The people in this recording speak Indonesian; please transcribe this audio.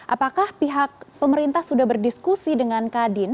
apakah pihak pemerintah sudah berdiskusi dengan kadin